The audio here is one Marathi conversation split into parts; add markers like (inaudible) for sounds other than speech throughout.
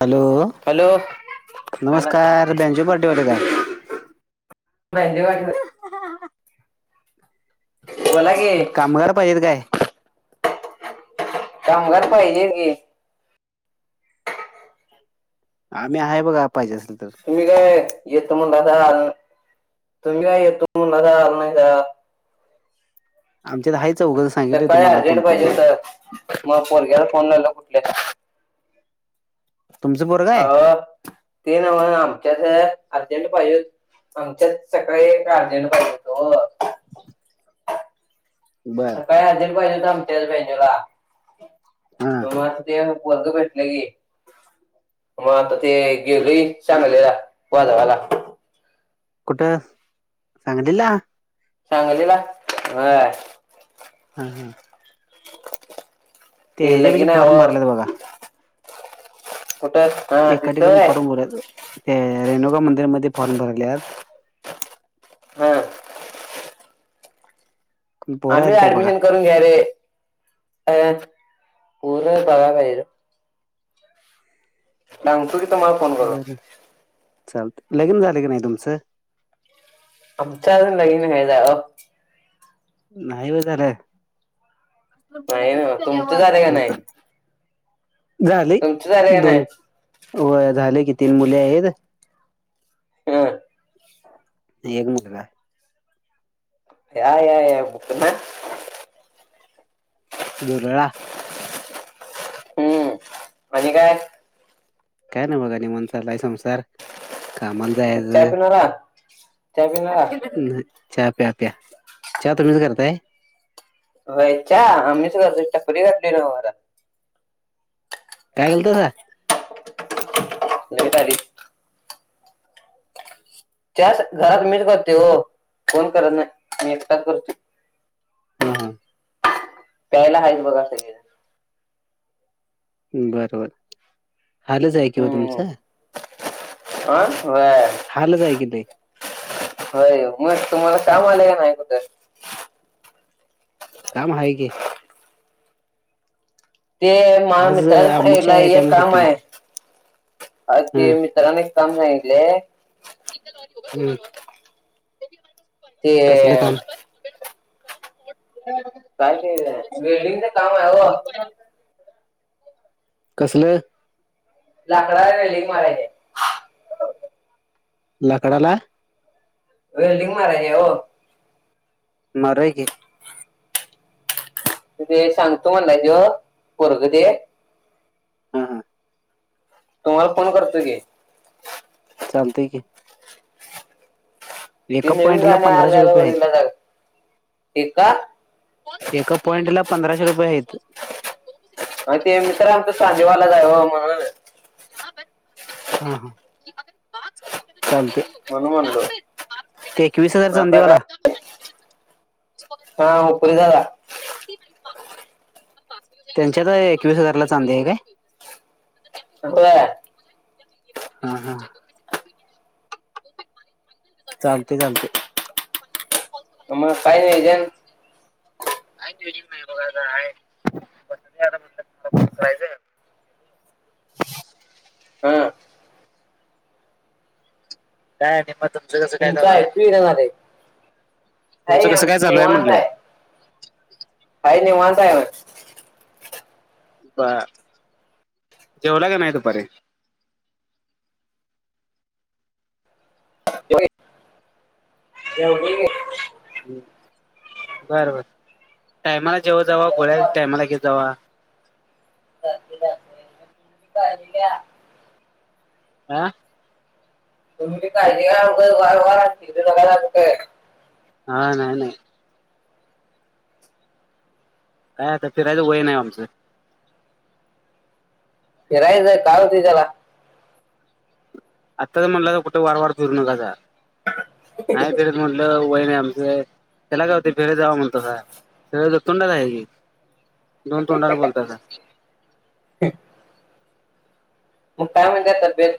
हॅलो हॅलो नमस्कार बँजो पार्टीवाले काय माहिंदे वाट हहहहा बोला की. कामगार पाहिजेत काय कामगार पाहिजे की. आम्ही आहे बघा पाहिजे असेल तर. तुम्ही काय येतो म्हण तसा आल तुम्ही काय येतो म्हणसा आल नाही का. आमच्या तर हाय चौघस सकाळी अर्जंट पाहिजे हो तर मग पोरग्याला फोन लावला कुठल्या. तुमचं पोरगं आहे अ ते नव्ह आमच्याच अर्जंट पाहिजे आमच्यात सकाळी एक अर्जेंट पाहिजे होतो. बरं काय अर्जंट पाहिजे मतेच बहिजूला हा ते वर्ग भेटले की. मग आता ते गेलोय चांगले वाजवाला. कुठ सांगलीला? सांगलीला व्हय. हम् हम् ते ह्याच्या लगीन पेक्ष आहे फॉर्म हो भरलेत बघा. कुठं हा एका तिथं ठिकाणी आहे फॉर्म भर त्या रेणुका मंदिरमध्येध्ये फॉर्म भरयल्यात. हम् पोरं आम्ही आहेत का बघा ऍडमिशन करून घ्या रे अ पूर्ण बघा पाहिजे. सांगतो की तुम्हाला फोन करून. बरं चालत लग्न झाले की नाही तुमचं? आमच्या अजून लगीन नाही झालं हो. नाही ब झालं अस नाही बोलाय ना तुमचं त्यावर. झालं का नाही झाले तुमचं झालं का नाही दोन व झाले कि तीन मुले आहेत. हम एक मुलगा या या या दुरळा हम्म आणि काय? काय ना बघा नि म्हण चाललाय संसार. कामाला चहा जायचं पिणारा चहा पिणारा चहा प्या प्या चहा तुम्हीच करताय? व्हय चहा आम्हीच करतोय टपरी घातली नव्ह आता. काय केालतोसा. द्या तारीख त्याच घरात मीच करते हो कोण करत नाही मी एकटाच करतो. हम हम प्यायला हाच बघा सगळे बर बर हालच हाय की व हम्म तुमचं हा बर हालच हाय की लई. होय मग तुम्हाला काम आले का नाही कुठं? काम आहे की ते माझ्या आज अमावस्या मित्रांला आहे एक त्यामुळे काम सुट्टी आहे घेतली अ ते मीतर्रान एक काम सांगितलय ते ह् कसलं काम (inaudible) काय ते वेल्डिंगच काम आहे ओ कसले लाकडाला वेल्डिंग मारायचे लाकडाला वेल्डिंग मारायचीय ओ मारूया की त ते सांगतो म्हणलाय तो पोरगं ते हा हा तुम्हाला फोन करतोय की चालतय की ते एका अप नवीन पॉइंटला गाणे पंधराशे आल्याला रुपये आहेत बघितला जाग ते का एका पॉइंटला पंधराशे रुपये आहेत आणि तेन मित्र आमच सांगलीवाला जावं म्हणून हा हा चालतय म्हणून म्हणलो हजार आता काय चांदीवाला हा हुपरीत जाऊया त्यांच्यात एकवीस हजारला चांदी आहे काय हो हम हम चालतय चालतय म काय नाही काय बघ म्हणय (unintelligible) हा दाय निम त (unintelligible) तुमचं ऐकू येईना झालंय तुमचं हाय कसं आम काय चालू आहे निवांत म्हटलं हाय खाये वाा बरं जेवला का नाही दुपारी ज जेवलोय की ह् बरं बर टायमाला जेवत जावं गोळ्या टायमाला घेत जावा (unintelligible) आह (unintelligible) तुम्ही पण काळजी घ्या का (unintelligible) हा नाही नाही काय आता फिरायचं वय नाही आमचं फिरायचय काय होतंय त्याला आत्ता तर म्हणलं तर कुठे वार वार फिरू नका स नाही फिर म्हटलं वय नाही आमच त्याला काय होतय फिरा जाव म्हणतोसा सगळ तोंडाला आहे की दोन तोंडाना बोलतासा ह (unintelligible) मग काय म्हणत्या तब्येत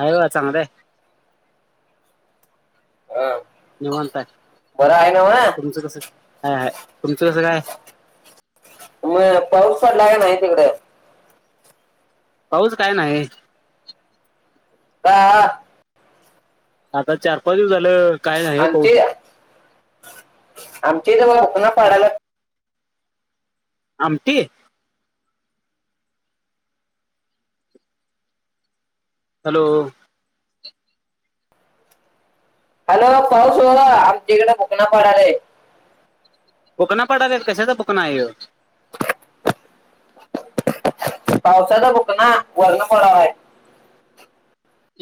हाय बघा चांगलय अ निवांत आहे बरं आहे नव्ह तुमचं कसंय हय हाय तुमचं कसं काय मग पाऊस पडलाय काय नाही तिकडे पाऊस काय नाही का आता चार पाच दिवस झालं काय नाही पाऊस आमचे आमचे इथं बुकना पाडाल्यात आमटी हॅलो हॅलो पाऊस होय आमच्याकडे बूकणा पाडालंय बुकना पाडाल्यात कशाचा बुकणा आहे ह्यो पावसाचा बुकना वरण पडलाय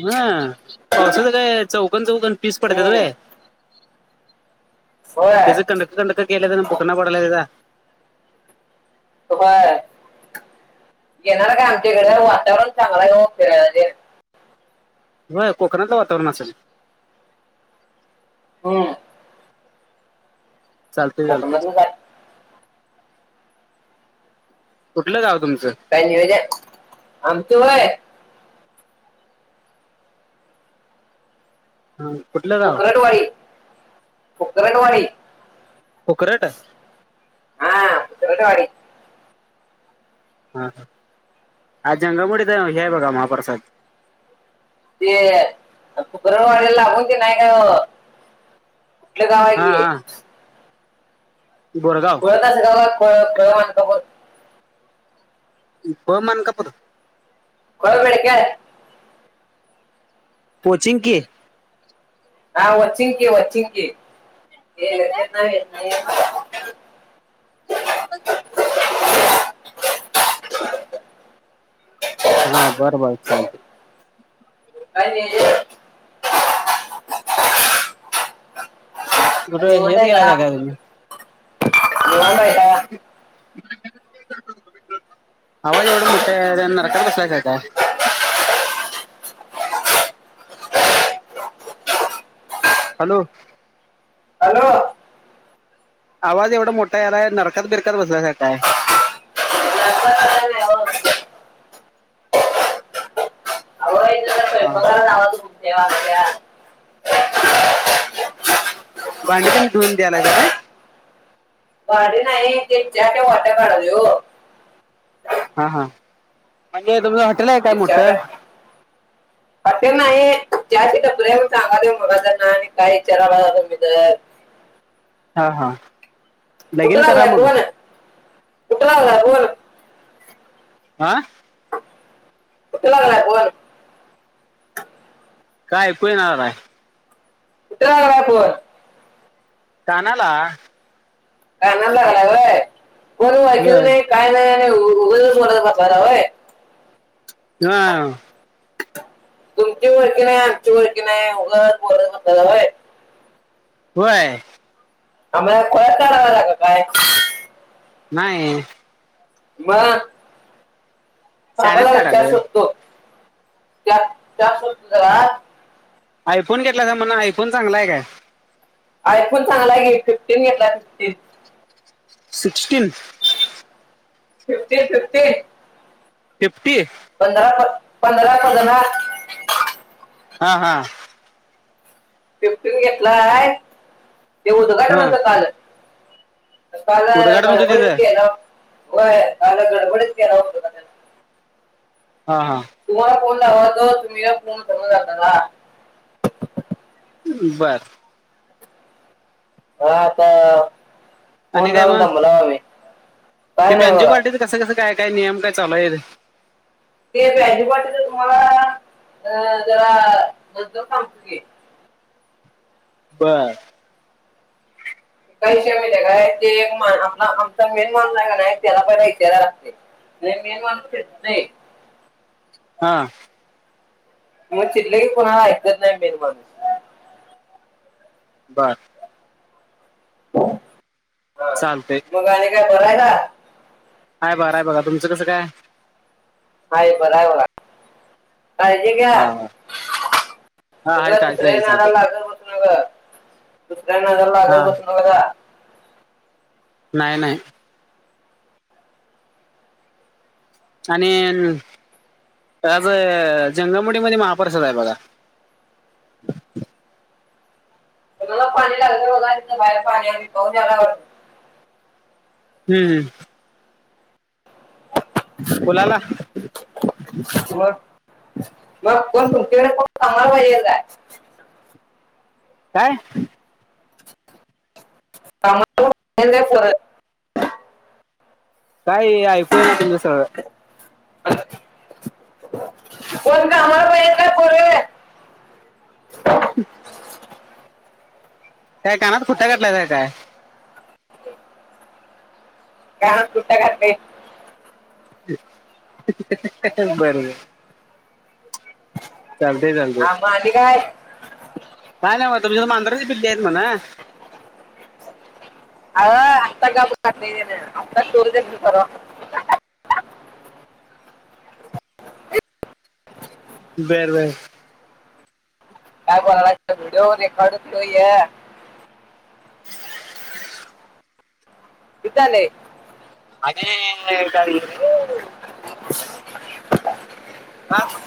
हा पावसाचं काय चौकन चौकन पीस पडत्यात हम्म व्हय होय त्याच कंडक कंडक केल्यात आणी बुकना पडालाय त्याचा होय येेणार काय आमच्याकडे वातावरण चांगलं हाय ओ फिरायला तेन हो कोकणातलं वातावरण असंल हम्म चालतंय चालतंय कोकणातलं काय कुठलं गावं तुमचं काय नियोजन आमच व्हय हा कुठल फुकरटवाडी फुकरटवाडी फुकरट हा फुकरटवाडी हा ह आज जंगमवाडीचा हे बघा महाप्रसाद ते फुकरटवाडीला लागून ते नाही काय ओ कुठलं गाव आहे हा की आहे बोरगाप (inaudible) खुळ मानकापूर खुळ बेडकीयाळ वोचिकी हा वचिकी वचिकी (inaudible) हा बरं बर चालतय काय नियोजन कुठ निवांत हे्यात आहे गेलासा काय का तुम्ही निवांत आहे का आवाज एवढा मोठा यायलाय नरकत बसलासा की काय हॅलो हॅलो आवाज एवढा मोठा यायलाय नरकात बिरकत बसलासा की काय हॅलो हा ये भामट्या भांड तेन धुऊन द्यायलासा काय भांडी नाही ते चहाच्या वाट्या काढालोय ओ हा हा म्हणजे तुमचं हॉटेल आहे काय ते चहा मोठं प्या- हॉटेल नाही चहाची टपरी हाय म्हूणन सांगलोय मागच्यान आणि काय विचारलासा तुम्ही तर हा हा कुठं लगीन करा लागलाय मग. फोन, कुठं लागलाय फोन आह कुठं लागलाय फोन काय ऐकू येईना दादा कुठं लागलाय फोन कानाला काना लागय कोणी ऐकलं होय नाही काय नाही उग पासलावय ह तुमची ओळखी नाही आमची ओळखी नाही उग ब हो हो आहे आम्हाला कोयतरावां लाग काय नाही. मग थांबा शाळेत जरा चहा काढालोय. शोधतो चहा चहा शोधतो जरा. आयफोन घेतलासा म्हण आयफोन चांगला आहे काय? आयफोन चांगला आहे की फिफ्टीन घेतलाय fifteen sixteen. Fifteen fifteen fifty पंधरा पंधरा पंधरा हा हा फिफ्टी घेतलंय ते उद्घाटन हा होतं काल काल उद्घाटन होतं गडबडीत त्याचं केलाव व्हय काल गडबडीत केलाव उद्घाटन हा हा तुम्हाला फोन लावातो तुम्हीला फोन उचलताना झालतासा बर काय आता फोन आणि काय लाऊन मग? दमलाव आम्ही ते काय नाही बेंजो बघा पार्टीच कसं कसं काय काय नियम काय चालूय आहेत. ते व्याजी वाटच तुम्हाला अ जरा नंतर सांगतो की बर कसाय माहिती हाय काय ते एक आपला आमचा मेन माणूस हाय काय नाही त्याला पण विचाराय लागतंय अरे मेन माणूस येत नाही. हां. मग चिडलं की कोणाला ऐकत नाही मेन माणूस. बर. हो. चालतय. मग आणि काय बरय ना. हाय बराय बघा तुमचं कसं काय? हाय बराय बघा काळजी घ्या हा हा हा आहे उगाच काय काय दुसऱ्या चालतंय नादाला लागत हा बसू. (unintelligible) नाही नाही आणि आज जंगामडी मध्ये महाप्रसाद आहे बघा. घराला पाणी लागलंय बगा इथन बाहेर पाणी आलंय पाऊस यायलाय आवर. हम् ह उलाला मग मग कोण तुमच्याकडे कोण कामाला पाहिजे. काय कामाला (unintelligible) काय ऐकूय ना तुमंच सगळं. कोण कामाला पाहिजे का पोरं. ह काय कानात खुट्टा घातलास का काय? काय कुट्ट घातलंय. बर बरं. चालतंय चालतंय. हां म आणि काय काय नाही म तुमच्यात मांजराची पिली आहेत म्हण. आर आत्ता गाब घातलंय तेन आता थोड्या (unintelligible) परवा बर बर. काय बोला व्हिडिओ रेकॉर्डय. यधले अग का घे. ह.